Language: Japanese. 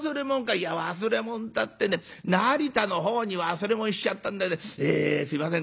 「いや忘れもんたってね成田の方に忘れもんしちゃったんでえすいません